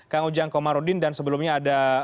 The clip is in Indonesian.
kang ujang komarudin dan sebelumnya ada